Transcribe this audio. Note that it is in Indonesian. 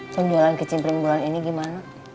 penjualan kecil pering bulan ini gimana